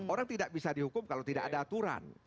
orang tidak bisa dihukum kalau tidak ada aturan